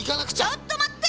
ちょっとまって！